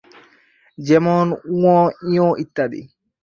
যেমন-ঙ, ঞ ইত্যাদি।